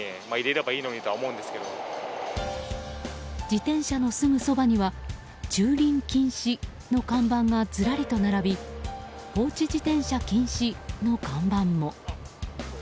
自転車のすぐそばには駐輪禁止の看板がずらりと並び放置自転車禁止の看板も。